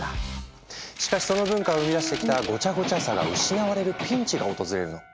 しかしその文化を生み出してきたごちゃごちゃさが失われるピンチが訪れるの。